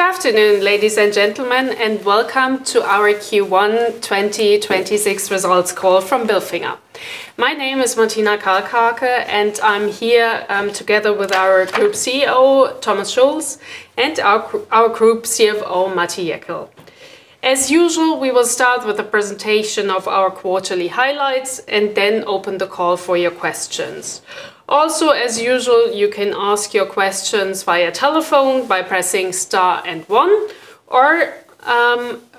Good afternoon, ladies and gentlemen, and welcome to our Q1 2026 results call from Bilfinger. My name is Martina Kalkhake, and I'm here together with our Group CEO, Thomas Schulz, and our Group CFO, Matti Jäkel. As usual, we will start with a presentation of our quarterly highlights and then open the call for your questions. Also, as usual, you can ask your questions via telephone by pressing star and one or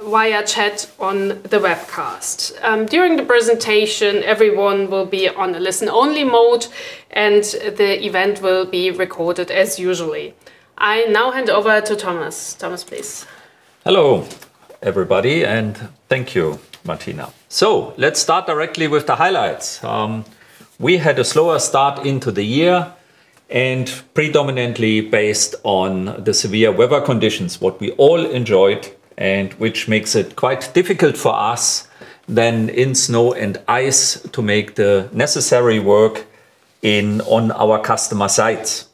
via chat on the webcast. During the presentation, everyone will be on a listen-only mode, and the event will be recorded as usual. I now hand over to Thomas. Thomas, please. Hello, everybody, thank you, Martina. Let's start directly with the highlights. We had a slower start into the year and predominantly based on the severe weather conditions. What we all enjoyed and which makes it quite difficult for us then in snow and ice to make the necessary work on our customer sites.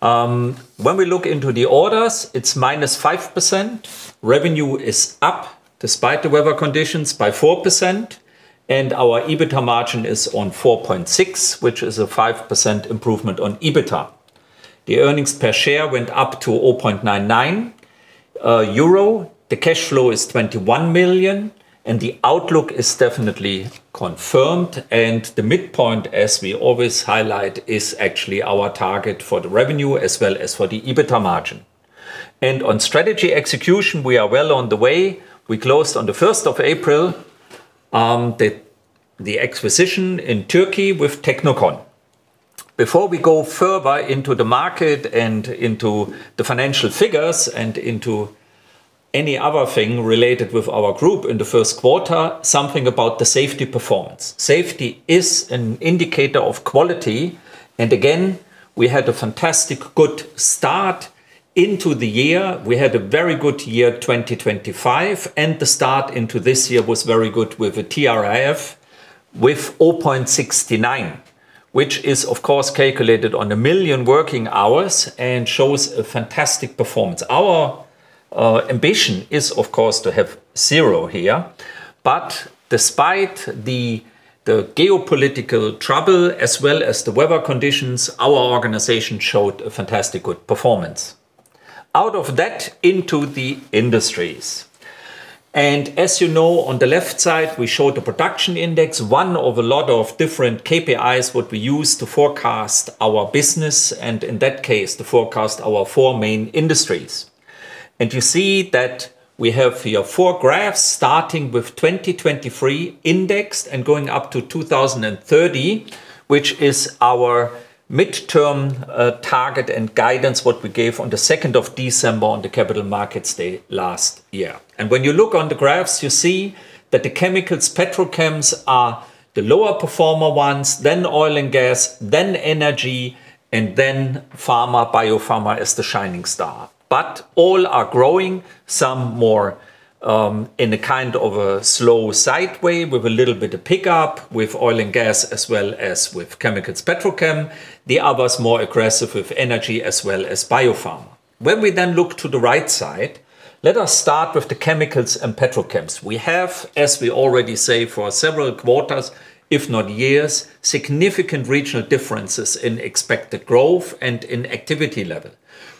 When we look into the orders, it's -5%. Revenue is up, despite the weather conditions, by 4%, and our EBITA margin is on 4.6%, which is a 5% improvement on EBITA. The earnings per share went up to 0.99 euro. The cash flow is 21 million. The outlook is definitely confirmed, the midpoint, as we always highlight, is actually our target for the revenue as well as for the EBITA margin. On strategy execution, we are well on the way. We closed on the 1st of April, the acquisition in Turkey with Teknokon. Before we go further into the market and into the financial figures and into any other thing related with our group in the first quarter, something about the safety performance. Safety is an indicator of quality, and again, we had a fantastic good start into the year. We had a very good year 2025, and the start into this year was very good with a TRIF with 0.69, which is of course calculated on a million working hours and shows a fantastic performance. Our ambition is, of course, to have zero here. Despite the geopolitical trouble as well as the weather conditions, our organization showed a fantastic good performance. Out of that, into the industries. As you know, on the left side, we show the production index, one of a lot of different KPIs what we use to forecast our business and, in that case, to forecast our four main industries. You see that we have here four graphs starting with 2023 indexed and going up to 2030, which is our midterm target and guidance. What we gave on the second of December on the Capital Markets Day last year. When you look on the graphs, you see that the chemicals, petrochems are the lower performer ones, then oil and gas, then energy, and then pharma, biopharma is the shining star. All are growing, some more, in a kind of a slow sideways with a little bit of pickup with oil and gas as well as with chemicals, petrochems, the others more aggressive with energy as well as biopharma. We then look to the right side, let us start with the chemicals and petrochems. We have, as we already say, for several quarters, if not years, significant regional differences in expected growth and in activity level.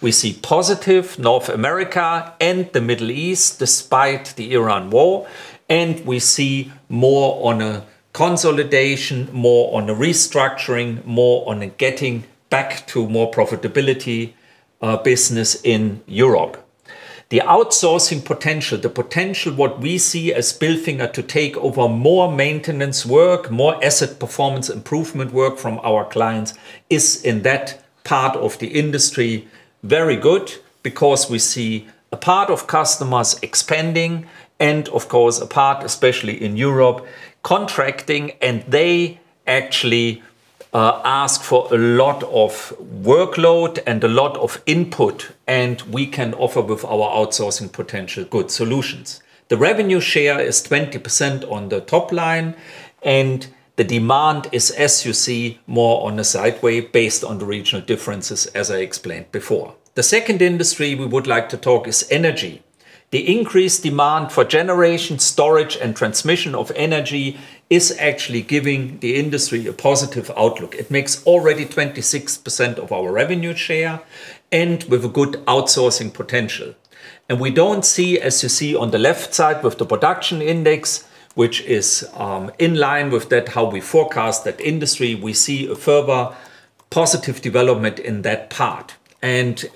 We see positive North America and the Middle East despite the Iran war, we see more on a consolidation, more on a restructuring, more on a getting back to more profitability, business in Europe. The outsourcing potential, the potential what we see as Bilfinger to take over more maintenance work, more asset performance improvement work from our clients is in that part of the industry. Very good because we see a part of customers expanding and, of course, a part, especially in Europe, contracting, and they actually ask for a lot of workload and a lot of input, and we can offer with our outsourcing potential good solutions. The revenue share is 20% on the top line, and the demand is, as you see, more on a sideway based on the regional differences as I explained before. The second industry we would like to talk is energy. The increased demand for generation, storage, and transmission of energy is actually giving the industry a positive outlook. It makes already 26% of our revenue share and with a good outsourcing potential. We don't see, as you see on the left side with the production index, which is in line with that how we forecast that industry, we see a further positive development in that part.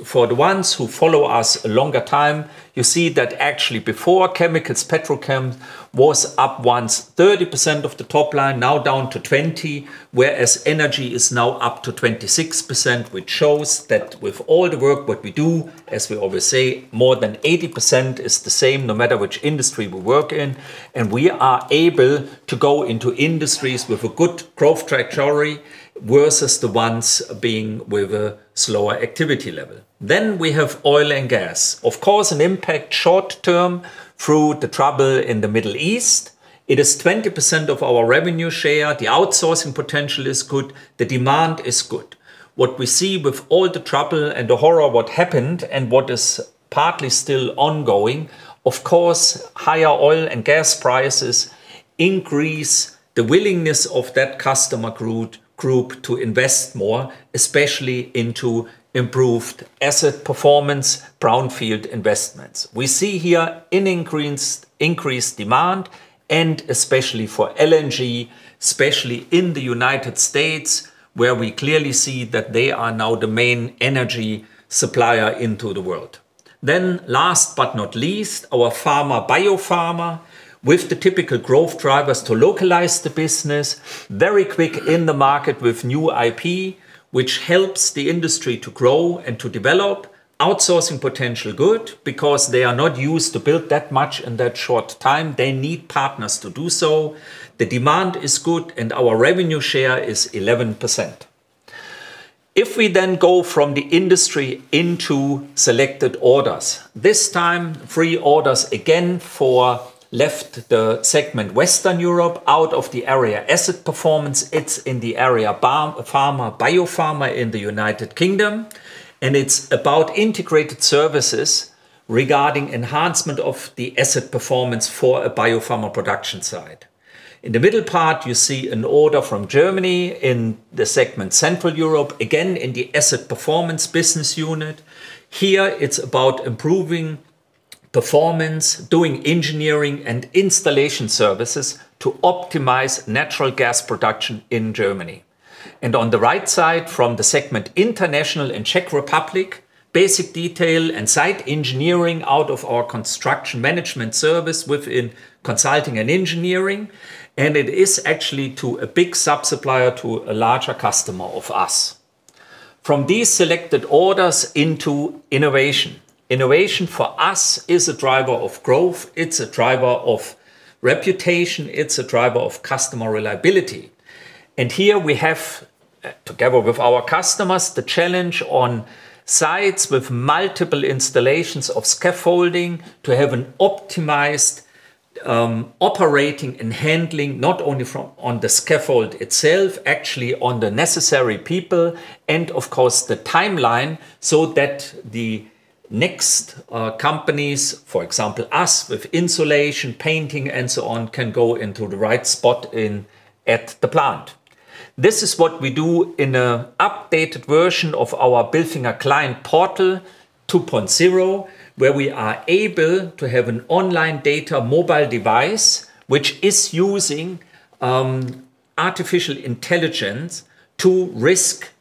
For the ones who follow us a longer time, you see that actually before chemicals, petrochem was up once 30% of the top line, now down to 20%. Whereas energy is now up to 26%, which shows that with all the work that we do, as we always say, more than 80% is the same no matter which industry we work in. And we are able to go into industries with a good growth trajectory versus the ones being with a slower activity level. We have oil and gas. Of course, an impact short term through the trouble in the Middle East. It is 20% of our revenue share. The outsourcing potential is good. The demand is good. What we see with all the trouble and the horror what happened and what is partly still ongoing, of course, higher oil and gas prices increase the willingness of that customer group to invest more, especially into improved asset performance, brownfield investments. We see here an increased demand, and especially for LNG, especially in the U.S., where we clearly see that they are now the main energy supplier into the world. Last but not least, our pharma, biopharma with the typical growth drivers to localize the business very quick in the market with new IP, which helps the industry to grow and to develop. Outsourcing potential good because they are not used to build that much in that short time. They need partners to do so. The demand is good, and our revenue share is 11%. If we then go from the industry into selected orders. This time three orders again for left the segment Western Europe out of the area asset performance. It's in the area pharma, biopharma in the U.K., and it's about integrated services regarding enhancement of the asset performance for a biopharma production site. In the middle part, you see an order from Germany in the segment Central Europe, again in the asset performance business unit. Here it's about improving performance, doing engineering and installation services to optimize natural gas production in Germany. On the right side from the segment International and Czech Republic, basic detail and site engineering out of our construction management service within consulting and engineering. It is actually to a big sub-supplier to a larger customer of us. From these selected orders into innovation. Innovation for us is a driver of growth, it's a driver of reputation, it's a driver of customer reliability. Here we have, together with our customers, the challenge on sites with multiple installations of scaffolding to have an optimized operating and handling. Not only on the scaffold itself, actually on the necessary people and of course the timeline, so that the next companies, for example, us with insulation, painting, and so on, can go into the right spot at the plant. This is what we do in a updated version of our Bilfinger Client Portal 2.0, where we are able to have an online data mobile device, which is using artificial intelligence to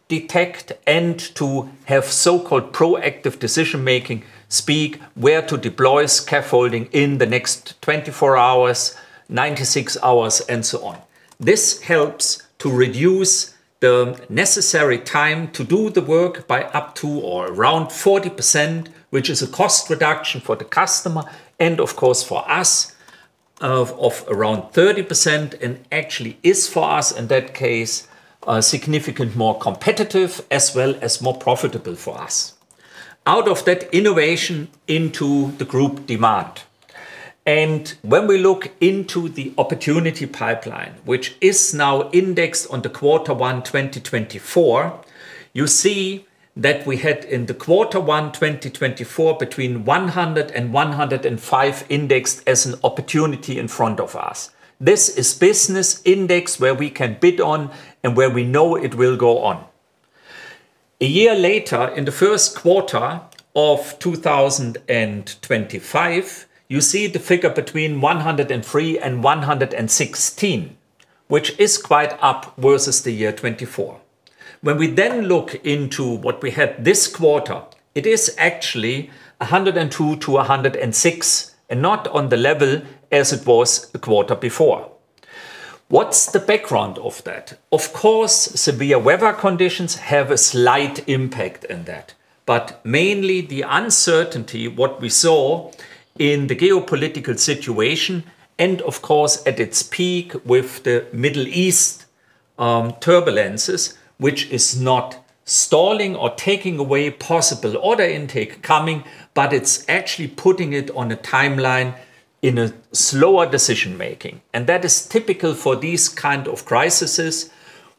risk-detect and to have so-called proactive decision-making, speak where to deploy scaffolding in the next 24 hours, 96 hours, and so on. This helps to reduce the necessary time to do the work by up to or around 40%, which is a cost reduction for the customer and of course for us of around 30%, and actually is for us in that case, significant more competitive as well as more profitable for us. Out of that innovation into the group demand. When we look into the opportunity pipeline, which is now indexed on the quarter one 2024, you see that we had in the quarter one 2024 between 100 and 105 indexed as an opportunity in front of us. This is business index where we can bid on and where we know it will go on. A year later, in the first quarter of 2025, you see the figure between 103 and 116, which is quite up versus the year 2024. We then look into what we had this quarter, it is actually 102-106 and not on the level as it was a quarter before. What's the background of that? Of course, severe weather conditions have a slight impact in that. Mainly the uncertainty, what we saw in the geopolitical situation and of course at its peak with the Middle East turbulences, which is not stalling or taking away possible order intake coming, but it's actually putting it on a timeline in a slower decision-making. That is typical for these kind of crises.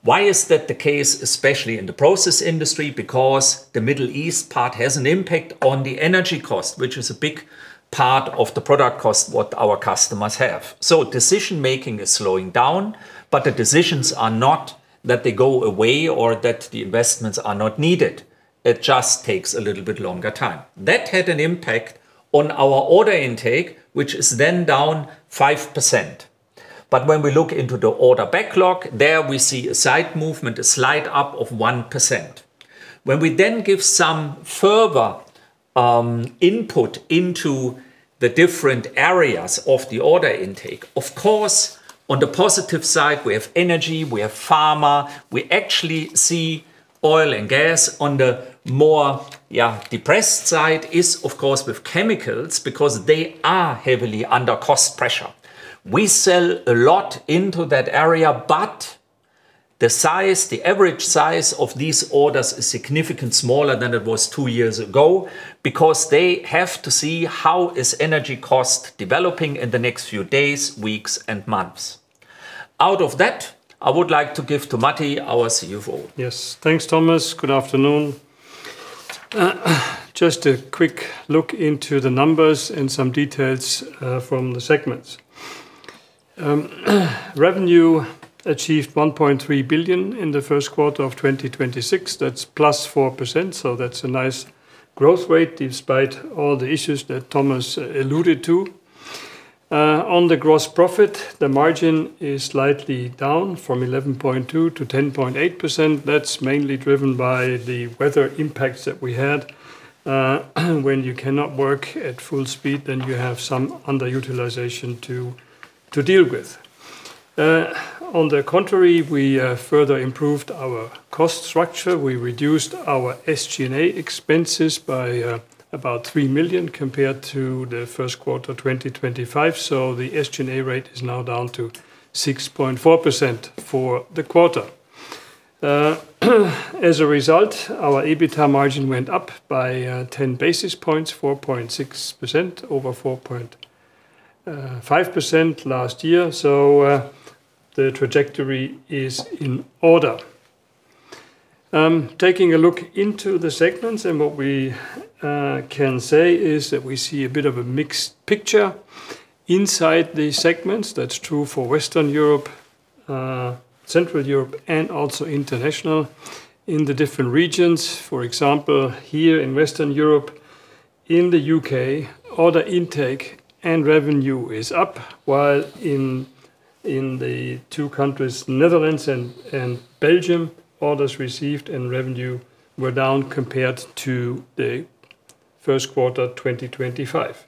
Why is that the case, especially in the process industry? Because the Middle East part has an impact on the energy cost, which is a big part of the product cost, what our customers have. Decision-making is slowing down, but the decisions are not that they go away or that the investments are not needed. It just takes a little bit longer time. That had an impact on our order intake, which is then down 5%. When we look into the order backlog, there we see a slight movement, a slight up of 1%. When we then give some further input into the different areas of the order intake, of course, on the positive side, we have energy, we have pharma. We actually see oil and gas. On the more depressed side is of course with chemicals because they are heavily under cost pressure. We sell a lot into that area, but the size, the average size of these orders is significantly smaller than it was two years ago because they have to see how is energy cost developing in the next few days, weeks, and months. Out of that, I would like to give to Matti, our CFO. Yes. Thanks, Thomas. Good afternoon. Just a quick look into the numbers and some details from the segments. Revenue achieved 1.3 billion in the first quarter of 2026. That's +4%, that's a nice growth rate despite all the issues that Thomas alluded to. On the gross profit, the margin is slightly down from 11.2%-10.8%. That's mainly driven by the weather impacts that we had. When you cannot work at full speed, you have some underutilization to deal with. On the contrary, we further improved our cost structure. We reduced our SG&A expenses by about 3 million compared to the first quarter 2025, the SG&A rate is now down to 6.4% for the quarter. As a result, our EBITA margin went up by 10 basis points, 4.6% over 4.5% last year. The trajectory is in order. Taking a look into the segments and what we can say is that we see a bit of a mixed picture inside the segments. That's true for Western Europe, Central Europe, and also International. In the different regions, for example, here in Western Europe, in the U.K., order intake and revenue is up, while in the two countries, Netherlands and Belgium, orders received and revenue were down compared to the first quarter 2025.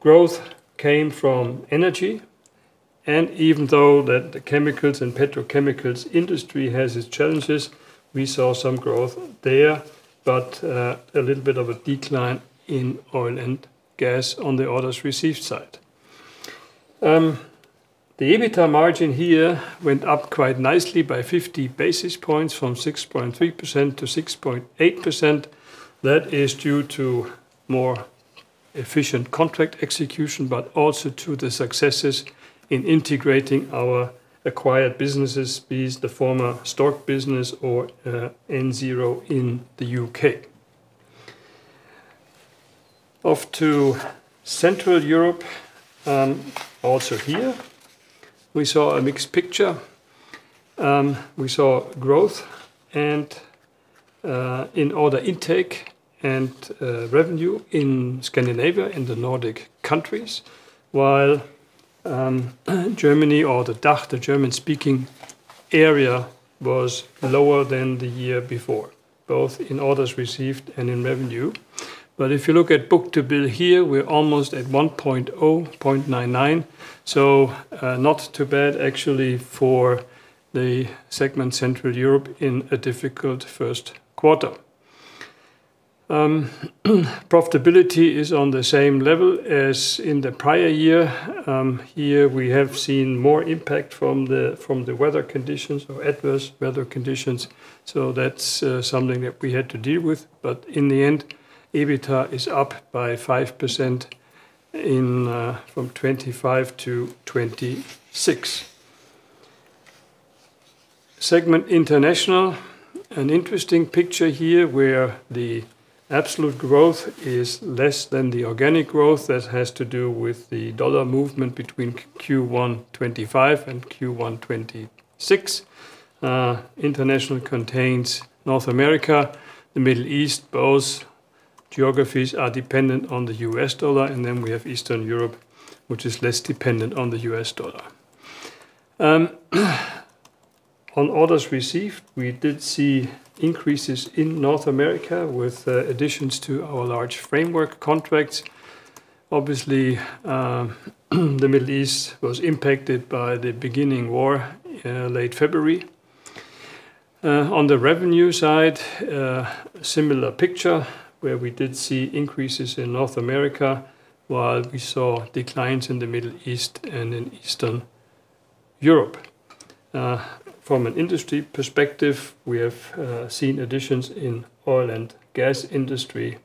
Growth came from energy, and even though the chemicals and petrochemicals industry has its challenges. We saw some growth there, but a little bit of a decline in oil and gas on the orders received side. The EBITA margin here went up quite nicely by 50 basis points from 6.3%-6.8%. That is due to more efficient contract execution, but also to the successes in integrating our acquired businesses, be it the former Stork business or nZero Group in the U.K. Off to Central Europe. Also here we saw a mixed picture. We saw growth and in order intake and revenue in Scandinavia, in the Nordic countries. While Germany or the DACH, the German-speaking area, was lower than the year before, both in orders received and in revenue. If you look at book-to-bill here, we're almost at 1.0, 0.99. Not too bad actually for the segment Central Europe in a difficult first quarter. Profitability is on the same level as in the prior year. Here we have seen more impact from the, from the weather conditions or adverse weather conditions, that's something that we had to deal with. In the end, EBITA is up by 5% from 2025-2026. Segment International, an interesting picture here, where the absolute growth is less than the organic growth. That has to do with the dollar movement between Q1 2025 and Q1 2026. International contains North America, the Middle East. Both geographies are dependent on the U.S. dollar. We have Eastern Europe, which is less dependent on the U.S. dollar. On orders received, we did see increases in North America with additions to our large framework contracts. Obviously, the Middle East was impacted by the beginning war late February. On the revenue side, similar picture, where we did see increases in North America while we saw declines in the Middle East and in Eastern Europe. From an industry perspective, we have seen additions in oil and gas industry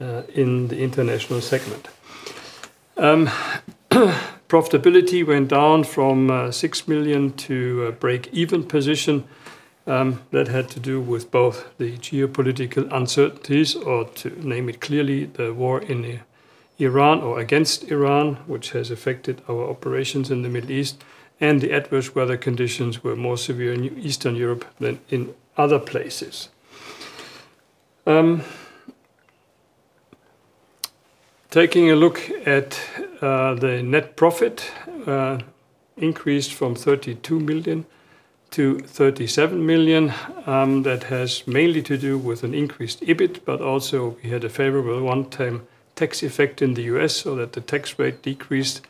in the International segment. Profitability went down from 6 million to a break-even position. That had to do with both the geopolitical uncertainties or, to name it clearly, the war in Iran or against Iran, which has affected our operations in the Middle East, and the adverse weather conditions were more severe in Eastern Europe than in other places. Taking a look at the net profit increased from 32 million-37 million. That has mainly to do with an increased EBIT, but also we had a favorable one-time tax effect in the U.S., so that the tax rate decreased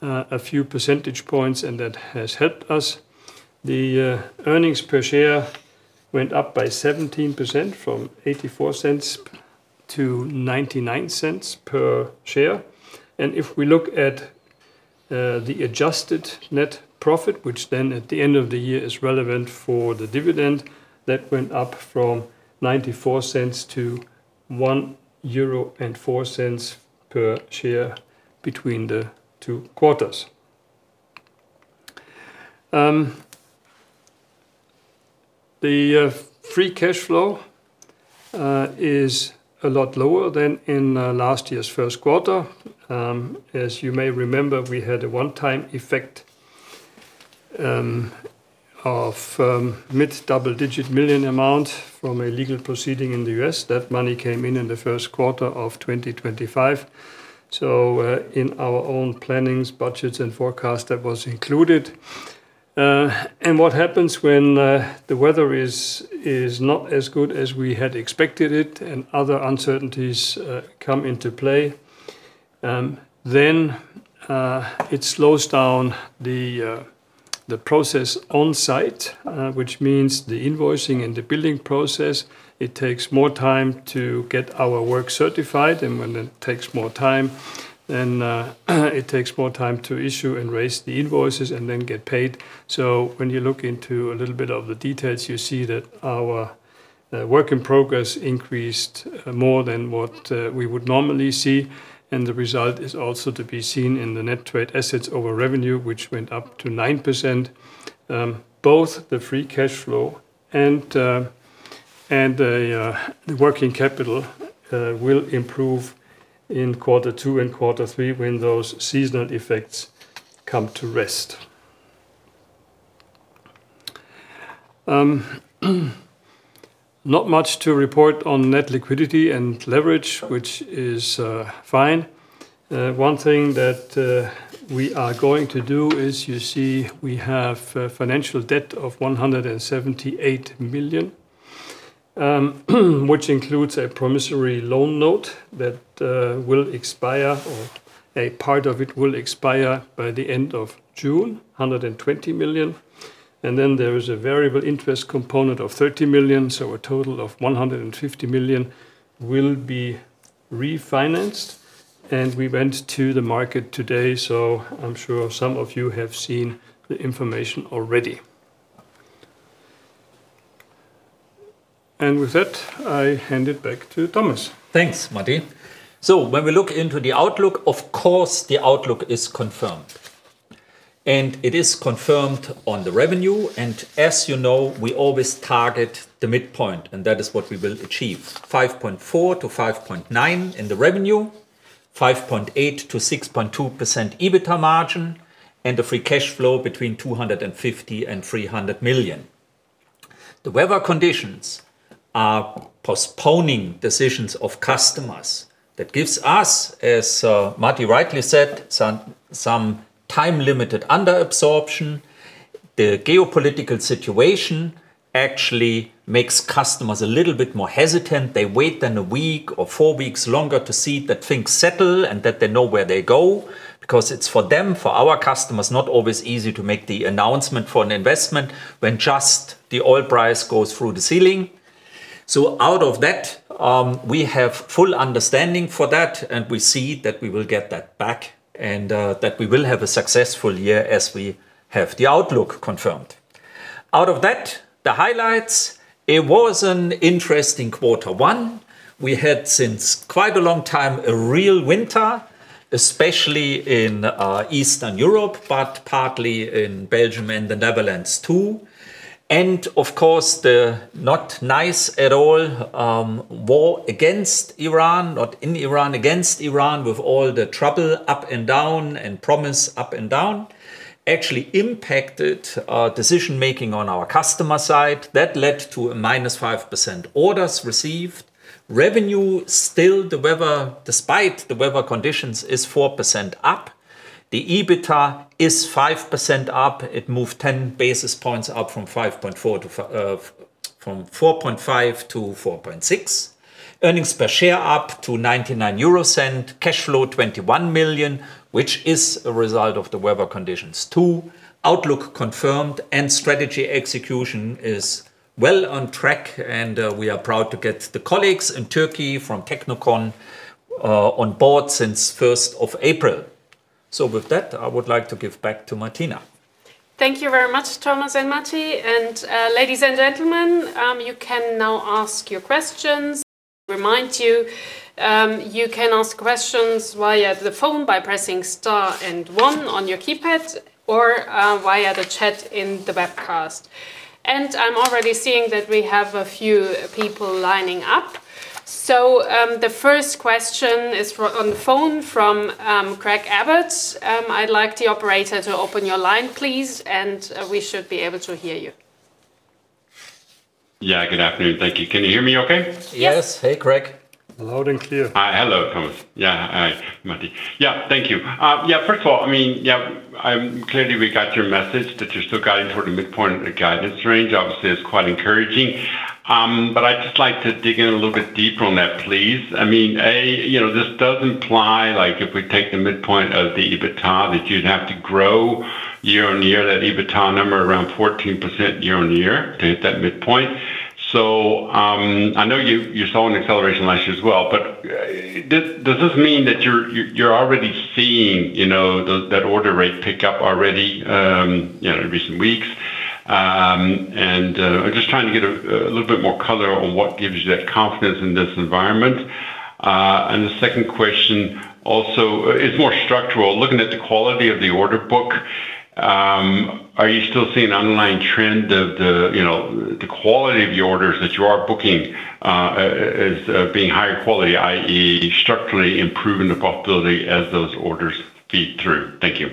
a few percentage points, and that has helped us. The earnings per share went up by 17% from 0.84-0.99 per share. If we look at the adjusted net profit, which then at the end of the year is relevant for the dividend, that went up from 0.94-1.04 euro per share between the two quarters. The free cash flow is a lot lower than in last year's first quarter. As you may remember, we had a one-time effect of mid-double digit million amount from a legal proceeding in the U.S. That money came in in the first quarter of 2025. In our own plannings, budgets and forecast, that was included. What happens when the weather is not as good as we had expected it and other uncertainties come into play, then it slows down the process on site. Which means the invoicing and the billing process, it takes more time to get our work certified. When it takes more time, then it takes more time to issue and raise the invoices and then get paid. When you look into a little bit of the details, you see that our work in progress increased more than what we would normally see. The result is also to be seen in the Net Trade Assets over Revenue, which went up to 9%. Both the free cash flow and the working capital will improve in quarter two and quarter three when those seasonal effects come to rest. Not much to report on net liquidity and leverage, which is fine. One thing that we are going to do is you see we have financial debt of 178 million, which includes a promissory loan note that will expire, or a part of it will expire by the end of June, 120 million. Then there is a variable interest component of 30 million, so a total of 150 million will be refinanced. We went to the market today, so I'm sure some of you have seen the information already. With that, I hand it back to Thomas. Thanks, Matti. When we look into the outlook, of course, the outlook is confirmed. It is confirmed on the revenue, and as you know, we always target the midpoint, and that is what we will achieve. 5.4%-5.9% in the revenue, 5.8%-6.2% EBITA margin, and a free cash flow between 250 million and 300 million. The weather conditions are postponing decisions of customers. That gives us, as Matti rightly said, some time-limited under absorption. The geopolitical situation actually makes customers a little bit more hesitant. They wait then a week or four weeks longer to see that things settle and that they know where they go. It's for them, for our customers, not always easy to make the announcement for an investment when just the oil price goes through the ceiling. Out of that, we have full understanding for that, and we see that we will get that back and that we will have a successful year as we have the outlook confirmed. Out of that, the highlights, it was an interesting quarter one. We had, since quite a long time, a real winter, especially in Eastern Europe, but partly in Belgium and the Netherlands too. Of course, the not nice at all war against Iran, not in Iran, against Iran, with all the trouble up and down and promise up and down, actually impacted decision-making on our customer side. That led to a-5% orders received. Revenue, despite the weather conditions, is 4% up. The EBITA is 5% up. It moved 10 basis points up from 4.5%-4.6%. Earnings per share up to 0.99. Cash flow, 21 million, which is a result of the weather conditions too. Outlook confirmed and strategy execution is well on track, and we are proud to get the colleagues in Turkey from Teknokon on board since 1st of April. With that, I would like to give back to Martina. Thank you very much, Thomas and Matti. Ladies and gentlemen, you can now ask your questions. To remind you can ask questions via the phone by pressing star and one on your keypad or via the chat in the webcast. I'm already seeing that we have a few people lining up. The first question is on the phone from [Craig Abbott]. I'd like the operator to open your line, please, and we should be able to hear you. Yeah, good afternoon. Thank you. Can you hear me okay? Yes. Yes. Hey, Craig. Loud and clear. Hi. Hello, Thomas. Hi, Matti. Thank you. First of all, clearly we got your message that you're still guiding toward the midpoint of the guidance range. Obviously, it's quite encouraging. I'd just like to dig in a little bit deeper on that, please. This does imply, if we take the midpoint of the EBITA, that you'd have to grow year-on-year, that EBITA number around 14% year-on-year to hit that midpoint. I know you saw an acceleration last year as well. Does this mean that you're already seeing, you know, those, that order rate pick up already, you know, in recent weeks? I'm just trying to get a little bit more color on what gives you that confidence in this environment. The second question also is more structural. Looking at the quality of the order book, are you still seeing an underlying trend of the, you know, the quality of the orders that you are booking as being higher quality, i.e., structurally improving the profitability as those orders feed through? Thank you.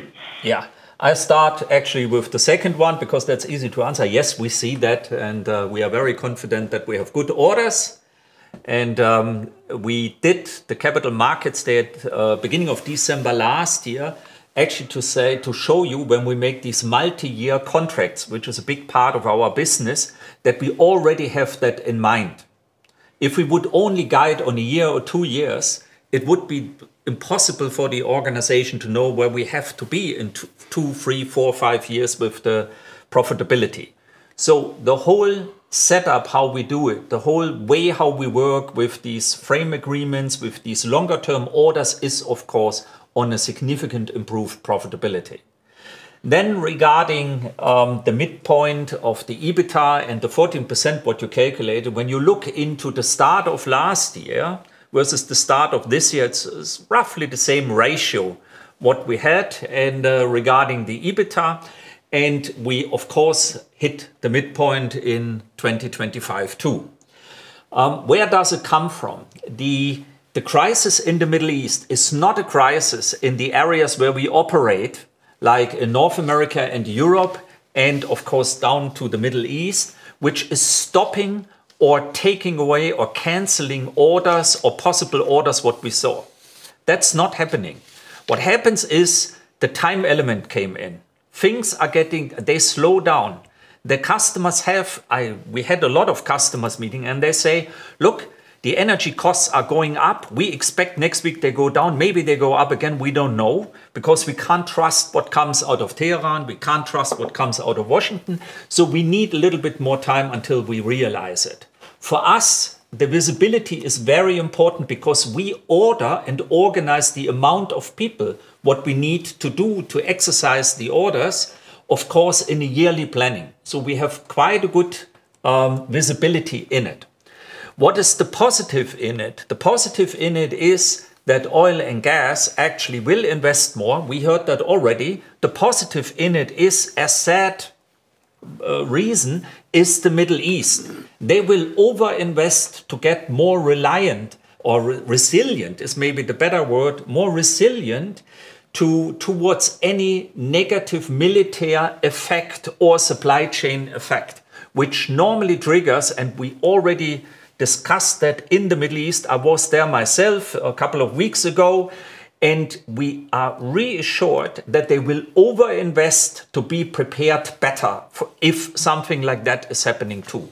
I start actually with the second one because that's easy to answer. Yes, we see that, and we are very confident that we have good orders. We did the Capital Markets Day at beginning of December last year, actually to say, to show you when we make these multi-year contracts. Which is a big part of our business, that we already have that in mind. If we would only guide on a year or two years, it would be impossible for the organization to know where we have to be in two, three, four, five years with the profitability. The whole setup, how we do it, the whole way how we work with these frame agreements, with these longer term orders is of course, on a significant improved profitability. Regarding the midpoint of the EBITA and the 14% what you calculated, when you look into the start of last year versus the start of this year, it's roughly the same ratio what we had regarding the EBITA, and we of course, hit the midpoint in 2025 too. Where does it come from? The crisis in the Middle East is not a crisis in the areas where we operate, like in North America and Europe, and of course, down to the Middle East, which is stopping or taking away or canceling orders or possible orders what we saw. That's not happening. What happens is the time element came in. They slow down. We had a lot of customers meeting, and they say, look, the energy costs are going up. We expect next week they go down. Maybe they go up again. We don't know because we can't trust what comes out of Tehran. We can't trust what comes out of Washington. We need a little bit more time until we realize it. For us, the visibility is very important because we order and organize the amount of people, what we need to do to exercise the orders, of course, in a yearly planning. We have quite a good visibility in it. What is the positive in it? The positive in it is that oil and gas actually will invest more. We heard that already. The positive in it is a sad reason, is the Middle East. They will over-invest to get more reliant or re-resilient, is maybe the better word, more resilient towards any negative military effect or supply chain effect, which normally triggers, and we already discussed that in the Middle East. I was there myself a couple of weeks ago. We are reassured that they will over-invest to be prepared better for if something like that is happening too.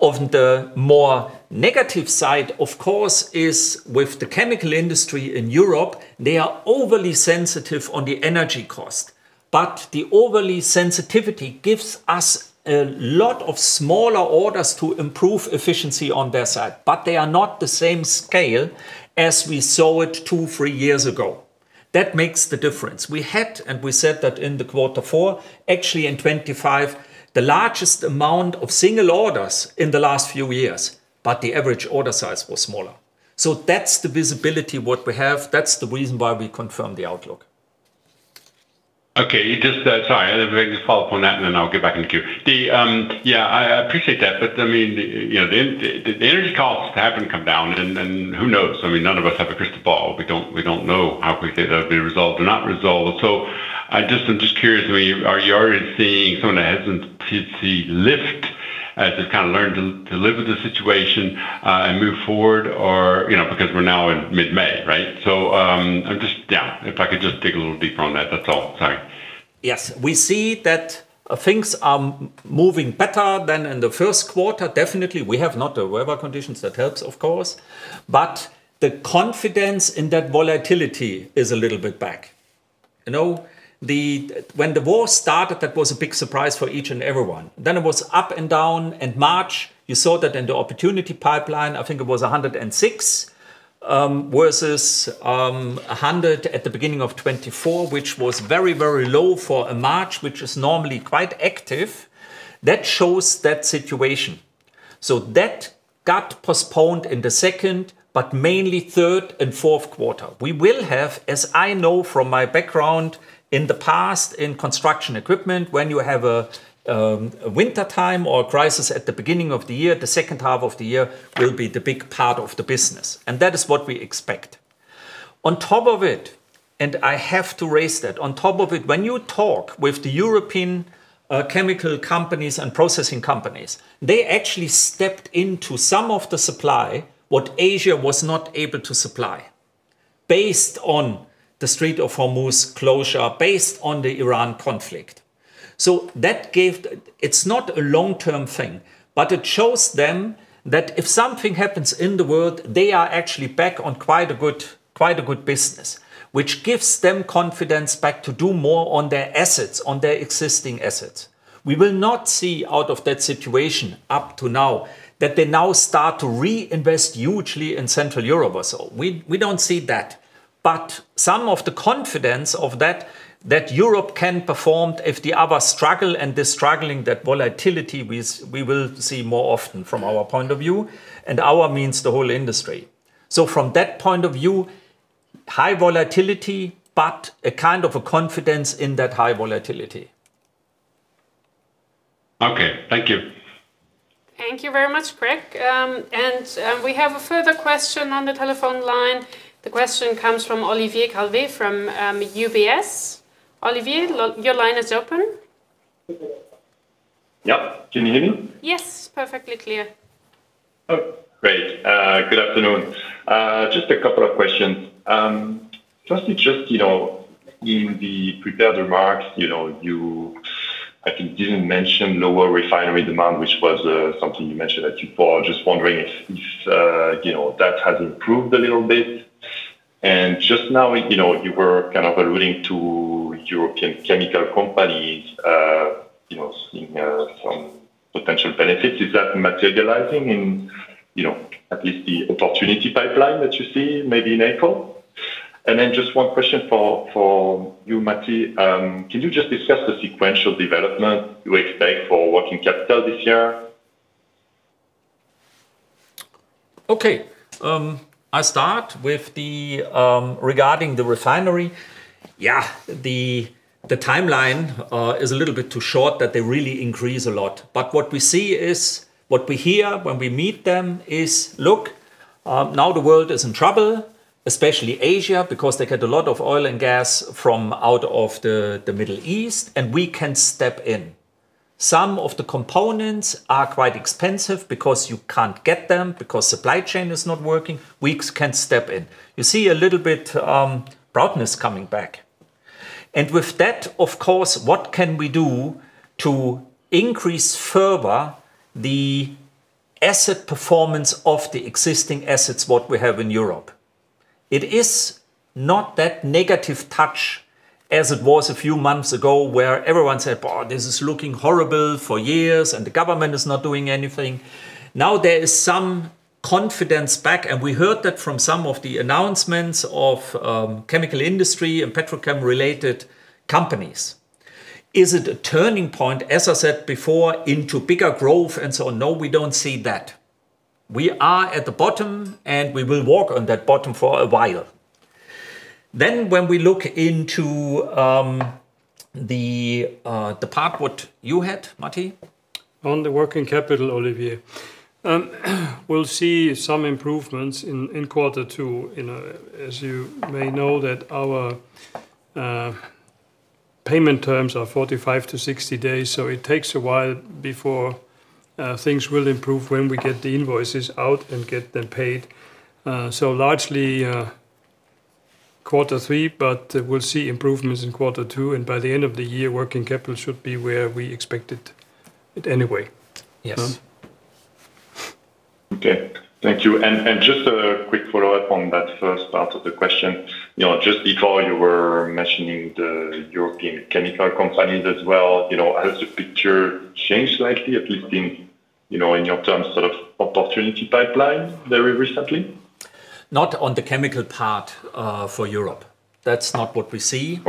Of the more negative side, of course, is with the chemical industry in Europe, they are overly sensitive on the energy cost. The overly sensitivity gives us a lot of smaller orders to improve efficiency on their side. They are not the same scale as we saw it two, three years ago. That makes the difference. We had, we said that in the quarter four, actually in 2025, the largest amount of single orders in the last few years. The average order size was smaller. That is the visibility what we have. That is the reason why we confirmed the outlook. Okay. Sorry. Let me just follow up on that, and then I'll get back in the queue. I appreciate that. I mean, you know, the energy costs have been come down and who knows? I mean, none of us have a crystal ball. We don't know how quickly they'll be resolved or not resolved. I'm just curious. I mean, are you already seeing some of that hesitancy lift, they've kind of learned to live with the situation and move forward or, you know, because we're now in mid-May, right? I'm just if I could just dig a little deeper on that. That's all. Sorry. Yes. We see that things are moving better than in the first quarter. Definitely, we have not the weather conditions. That helps, of course. The confidence in that volatility is a little bit back. You know, when the war started, that was a big surprise for each and everyone. It was up and down. In March, you saw that in the opportunity pipeline, I think it was 106 versus 100 at the beginning of 2024, which was very, very low for a March, which is normally quite active. That shows that situation. That got postponed in the second, but mainly third and fourth quarter. We will have, as I know from my background in the past in construction equipment, when you have a wintertime or crisis at the beginning of the year, the second half of the year will be the big part of the business. That is what we expect. I have to raise that. On top of it, when you talk with the European chemical companies and processing companies, they actually stepped into some of the supply what Asia was not able to supply based on the Strait of Hormuz closure, based on the Iran conflict. That gave. It's not a long-term thing, but it shows them that if something happens in the world, they are actually back on quite a good business, which gives them confidence back to do more on their assets, on their existing assets. We will not see out of that situation up to now that they now start to reinvest hugely in Central Europe or so. We don't see that. Some of the confidence of that Europe can perform if the others struggle and they're struggling, that volatility we will see more often from our point of view, and our means the whole industry. From that point of view, high volatility, but a kind of a confidence in that high volatility. Okay. Thank you. Thank you very much, Craig. We have a further question on the telephone line. The question comes from Olivier Calvet from UBS. Olivier, your line is open. Yep. Can you hear me? Yes, perfectly clear. Great. Good afternoon. Just a couple of questions. Firstly, just, you know, in the prepared remarks, you know, you, I think, didn't mention lower refinery demand, which was something you mentioned Q4. Just wondering if, you know, that has improved a little bit. Just now, you know, you were kind of alluding to European chemical companies, you know, seeing some potential benefits. Is that materializing in, you know, at least the opportunity pipeline that you see maybe in April? Just one question for you, Matti. Can you just discuss the sequential development you expect for working capital this year? Okay. I start with the regarding the refinery. The timeline is a little bit too short that they really increase a lot. What we see is, what we hear when we meet them is, look, now the world is in trouble, especially Asia, because they get a lot of oil and gas from out of the Middle East, and we can step in. Some of the components are quite expensive because you can't get them, because supply chain is not working. We can step in. You see a little bit broadness coming back. With that, of course, what can we do to increase further the asset performance of the existing assets what we have in Europe? It is not that negative touch as it was a few months ago, where everyone said, oh, this is looking horrible for years, and the government is not doing anything. There is some confidence back, and we heard that from some of the announcements of chemical industry and petrochem-related companies. Is it a turning point, as I said before, into bigger growth and so on? No, we don't see that. We are at the bottom, and we will walk on that bottom for a while. When we look into the part what you had, Matti? On the working capital, Olivier. We'll see some improvements in quarter two. You know, as you may know, that our payment terms are 45 days-60 days, it takes a while before things will improve when we get the invoices out and get them paid. Largely, quarter three, we'll see improvements in quarter two. By the end of the year, working capital should be where we expect it anyway. Okay. Thank you. Just a quick follow-up on that first part of the question. You know, just before you were mentioning the European chemical companies as well, you know, has the picture changed slightly, at least in, you know, in your terms, sort of opportunity pipeline very recently? Not on the chemical part, for Europe. That's not what we see.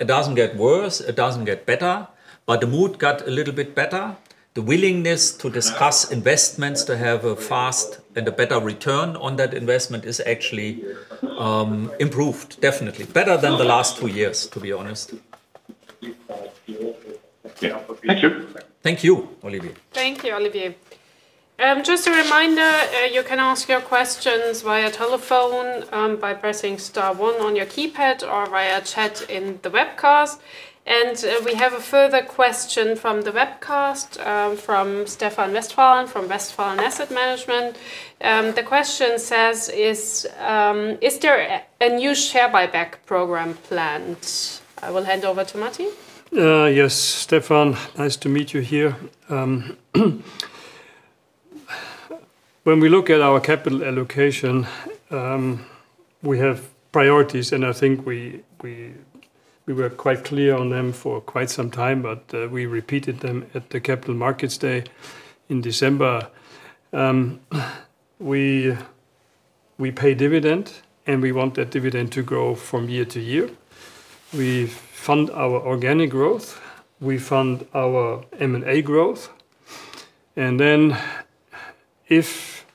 It doesn't get worse. It doesn't get better. The mood got a little bit better. The willingness to discuss investments to have a fast and a better return on that investment is actually improved, definitely. Better than the last two years, to be honest. Yeah. Thank you. Thank you, Olivier. Thank you, Olivier. Just a reminder, you can ask your questions via telephone, by pressing star one on your keypad or via chat in the webcast. We have a further question from the webcast, from Stefan Westphalen from Westphalen Asset Management. The question says, is there a new share buyback program planned? I will hand over to Matti. Yes, Stefan, nice to meet you here. When we look at our capital allocation. We have priorities, and I think we were quite clear on them for quite some time, but we repeated them at the Capital Markets Day in December. We pay dividend, and we want that dividend to grow from year-to-year. We fund our organic growth. We fund our M&A growth. If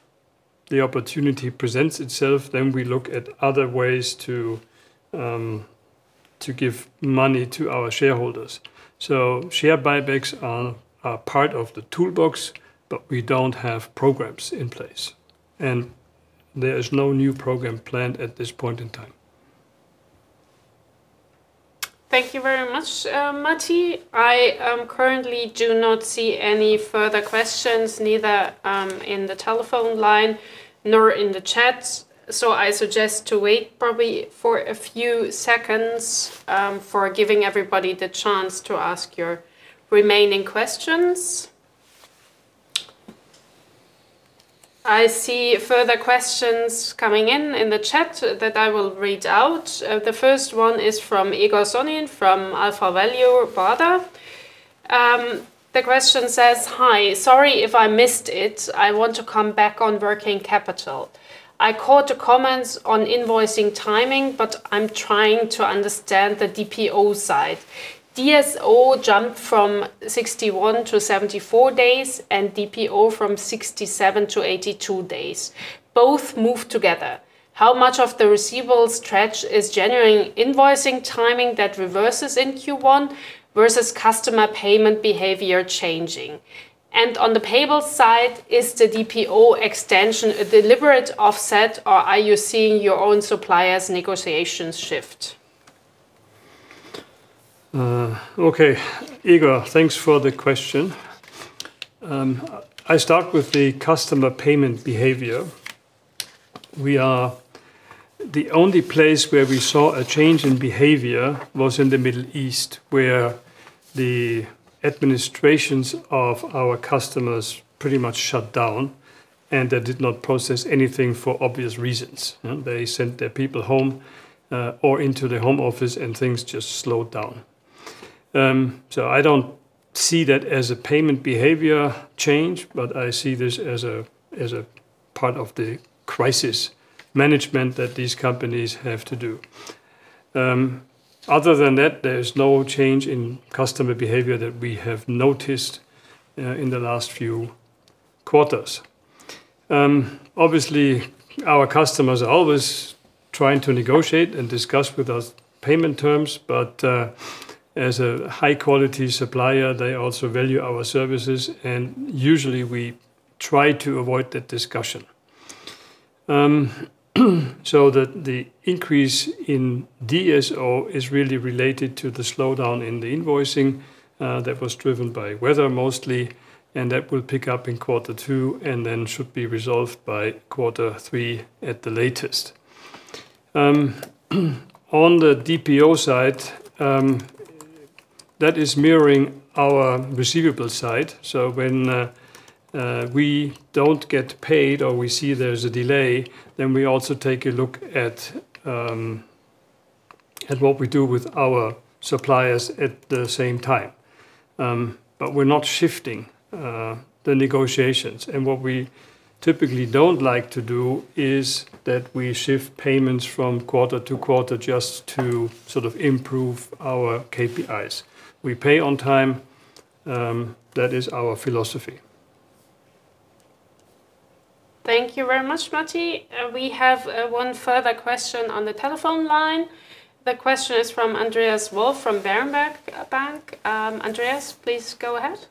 the opportunity presents itself, then we look at other ways to give money to our shareholders. Share buybacks are part of the toolbox, but we don't have programs in place. There is no new program planned at this point in time. Thank you very much, Matti. I currently do not see any further questions, neither in the telephone line nor in the chat. I suggest to wait probably for a few seconds for giving everybody the chance to ask your remaining questions. I see further questions coming in in the chat that I will read out. The first one is from Egor Sonin from AlphaValue. The question says, Hi. Sorry if I missed it. I want to come back on working capital. I caught the comments on invoicing timing, but I'm trying to understand the DPO side. DSO jumped from 61 days-74 days and DPO from 67 days-82 days. Both moved together. How much of the receivables stretch is genuine invoicing timing that reverses in Q1 versus customer payment behavior changing? On the payable side, is the DPO extension a deliberate offset? Or are you seeing your own suppliers' negotiations shift? Okay. Egor, thanks for the question. I start with the customer payment behavior. The only place where we saw a change in behavior was in the Middle East. Where the administrations of our customers pretty much shut down and they did not process anything for obvious reasons. They sent their people home or into their home office, and things just slowed down. I don't see that as a payment behavior change, but I see this as a part of the crisis management that these companies have to do. Other than that, there is no change in customer behavior that we have noticed in the last few quarters. Obviously, our customers are always trying to negotiate and discuss with us payment terms, but as a high-quality supplier, they also value our services, and usually we try to avoid that discussion. The increase in DSO is really related to the slowdown in the invoicing that was driven by weather mostly, and that will pick up in quarter two and then should be resolved by quarter three at the latest. On the DPO side, that is mirroring our receivables side. When we don't get paid or we see there's a delay, then we also take a look at what we do with our suppliers at the same time. We're not shifting the negotiations. What we typically don't like to do is that we shift payments from quarter-to-quarter just to sort of improve our KPIs. We pay on time. That is our philosophy. Thank you very much, Matti. We have one further question on the telephone line. The question is from Andreas Wolf from Berenberg Bank. Andreas, please go ahead.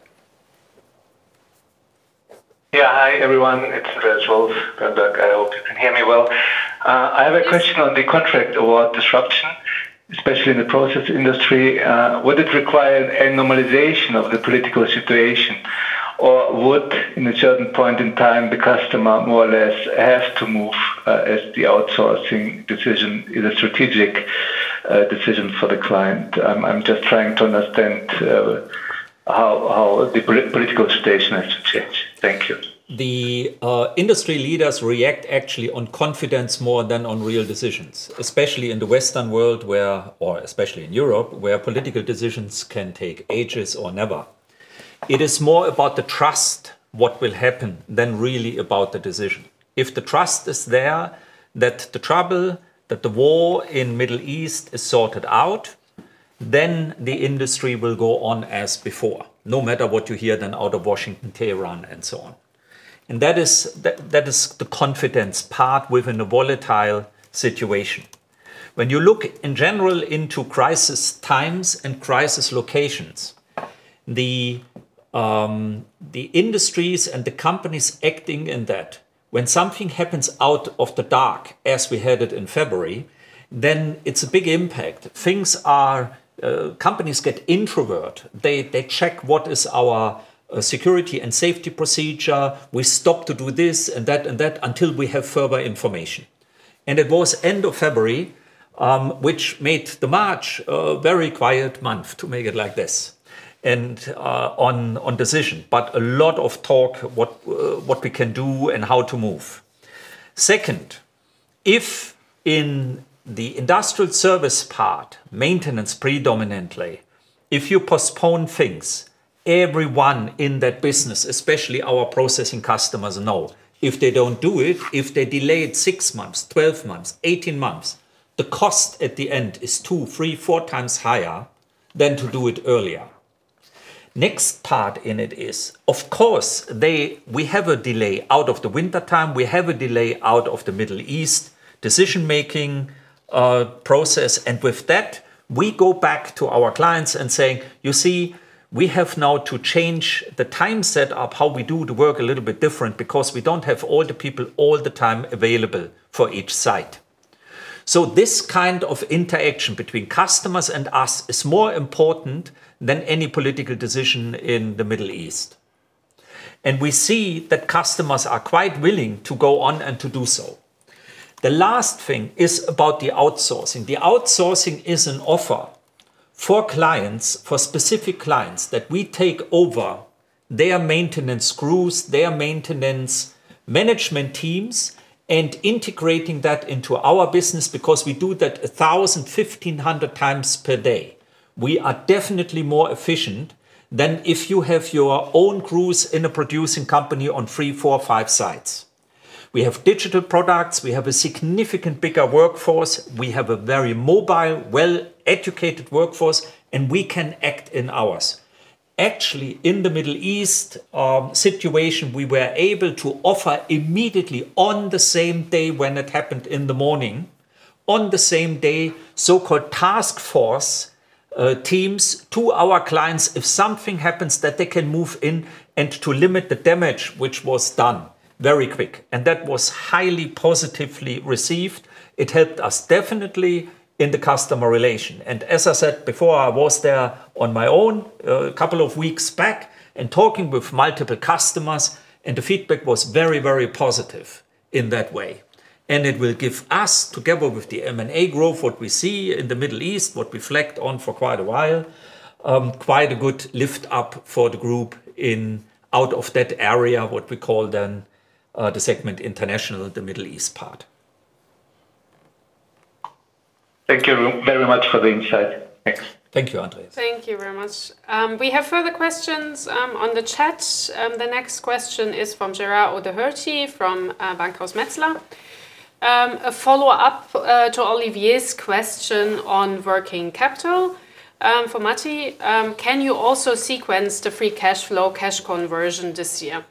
Yeah. Hi, everyone. It's Andreas Wolf, Berenberg. I hope you can hear me well. I have a question on the contract award disruption, especially in the process industry. Would it require a normalization of the political situation, or would, in a certain point in time, the customer more or less have to move, as the outsourcing decision is a strategic decision for the client? I'm just trying to understand how the political situation has to change. Thank you. The industry leaders react actually on confidence more than on real decisions, especially in the Western world where or especially in Europe, where political decisions can take ages or never. It is more about the trust what will happen than really about the decision. If the trust is there that the trouble, that the war in Middle East is sorted out, then the industry will go on as before, no matter what you hear then out of Washington, Tehran, and so on. That is the confidence part within a volatile situation. When you look in general into crisis times and crisis locations, the industries and the companies acting in that, when something happens out of the dark, as we had it in February, then it's a big impact. Companies get introvert. They check what is our security and safety procedure. We stop to do this and that and that until we have further information. It was end of February, which made the March a very quiet month, to make it like this, and on decision. A lot of talk what we can do and how to move. Second, if in the industrial service part, maintenance predominantly, if you postpone things, everyone in that business, especially our processing customers know, if they don't do it, if they delay it six months, 12 months, 18 months, the cost at the end is 2x, 3x, 4x higher than to do it earlier. Next part in it is, of course, we have a delay out of the wintertime, we have a delay out of the Middle East decision-making process. With that, we go back to our clients and say, you see, we have now to change the time set up, how we do the work a little bit different, because we don't have all the people all the time available for each site. This kind of interaction between customers and us is more important than any political decision in the Middle East. We see that customers are quite willing to go on and to do so. The last thing is about the outsourcing. The outsourcing is an offer for clients, for specific clients, that we take over. Their maintenance crews, their maintenance management teams, and integrating that into our business because we do that 1,000x, 1,500x per day. We are definitely more efficient than if you have your own crews in a producing company on three, four, five sites. We have digital products. We have a significant bigger workforce. We have a very mobile, well-educated workforce, and we can act in hours. Actually, in the Middle East situation, we were able to offer immediately on the same day when it happened in the morning, on the same day, so-called task force teams to our clients. If something happens that they can move in and to limit the damage, which was done very quick. That was highly positively received. It helped us definitely in the customer relation. As I said before, I was there on my own a couple of weeks back and talking with multiple customers, and the feedback was very, very positive in that way. It will give us, together with the M&A growth, what we see in the Middle East, what we reflect on for quite a while, quite a good lift up for the group in out of that area, what we call then, the segment International, the Middle East part. Thank you very much for the insight. Thanks. Thank you, Andreas. Thank you very much. We have further questions on the chat. The next question is from Gerard O'Doherty from Bankhaus Metzler. A follow-up to Olivier's question on working capital for Matti. Can you also sequence the free cash flow, cash conversion this year?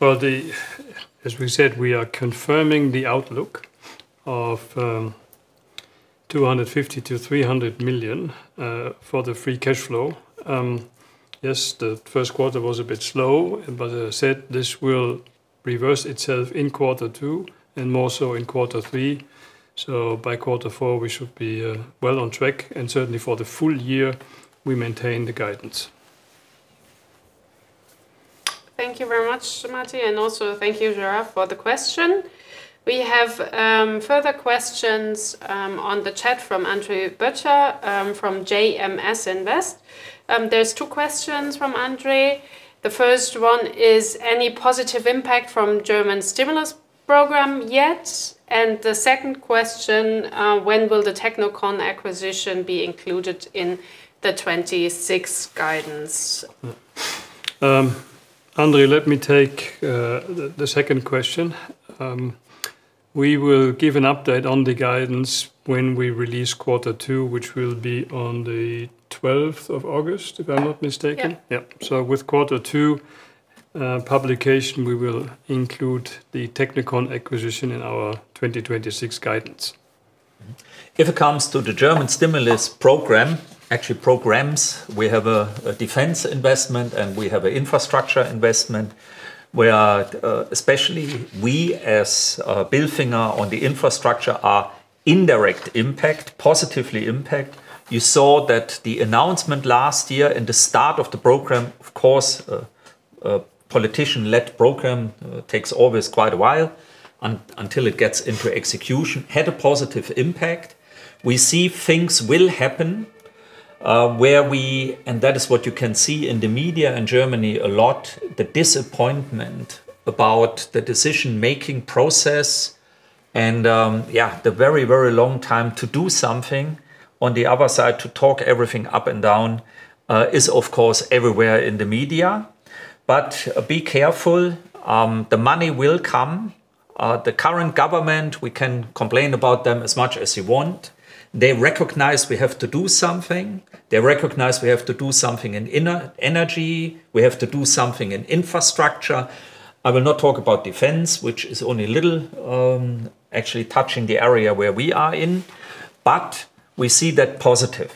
Well, as we said, we are confirming the outlook of 250 million-300 million for the free cash flow. Yes, the first quarter was a bit slow, but as I said, this will reverse itself in quarter two and more so in quarter three. By quarter four, we should be well on track. Certainly for the full year, we maintain the guidance. Thank you very much, Matti, and also thank you, Gerard, for the question. We have further questions on the chat from André Böttcher from JMS Invest. There's two questions from André. The first one: Is any positive impact from German stimulus program yet? The second question: When will the Teknokon acquisition be included in the 2026 guidance? André, let me take the second question. We will give an update on the guidance when we release quarter two, which will be on the 12th of August, if I'm not mistaken. Yeah. With quarter two publication, we will include the Teknokon acquisition in our 2026 guidance. If it comes to the German stimulus program, actually programs, we have a defense investment and we have an infrastructure investment where, especially we as Bilfinger on the infrastructure are indirect impact, positively impact. You saw that the announcement last year in the start of the program, of course, a politician-led program takes always quite a while until it gets into execution, had a positive impact. We see things will happen. That is what you can see in the media in Germany a lot, the disappointment about the decision-making process and, yeah, the very, very long time to do something. On the other side, to talk everything up and down, is of course everywhere in the media. Be careful, the money will come. The current government, we can complain about them as much as you want. They recognize we have to do something. They recognize we have to do something in energy. We have to do something in infrastructure. I will not talk about defense, which is only a little, actually touching the area where we are in, but we see that positive.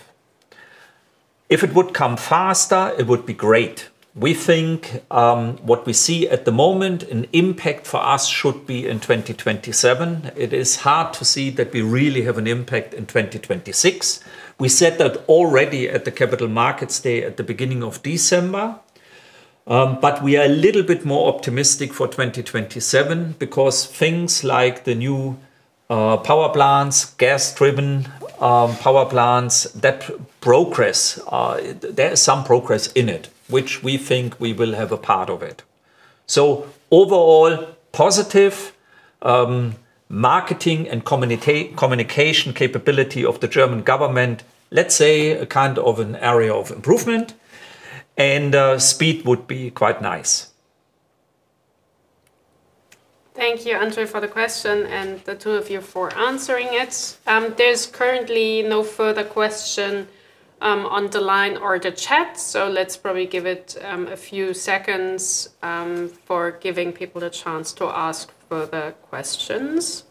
If it would come faster, it would be great. We think, what we see at the moment, an impact for us should be in 2027. It is hard to see that we really have an impact in 2026. We said that already at the Capital Markets Day at the beginning of December, but we are a little bit more optimistic for 2027 because things like the new power plants, gas-driven power plants, that progress, there is some progress in it, which we think we will have a part of it. Overall, positive, marketing and communication capability of the German government, let's say a kind of an area of improvement, and speed would be quite nice. Thank you, André, for the question and the two of you for answering it. There's currently no further question on the line or the chat, let's probably give it a few seconds for giving people a chance to ask further questions.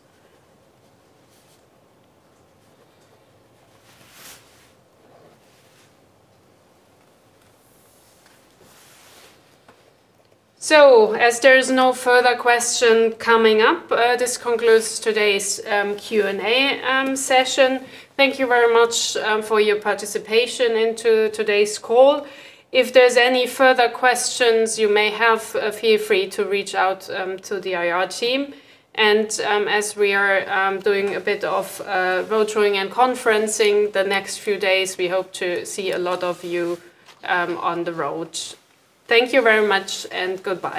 As there is no further question coming up, this concludes today's Q&A session. Thank you very much for your participation into today's call. If there's any further questions you may have, feel free to reach out to the IR team. As we are doing a bit of road showing and conferencing the next few days, we hope to see a lot of you on the road. Thank you very much and goodbye.